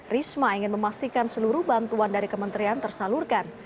risma ingin memastikan seluruh bantuan dari kementerian tersalurkan